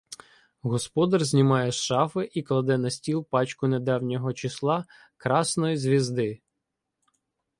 Господар знімає з шафи і кладе на стіл пачку недавнього числа "Красной звездьі".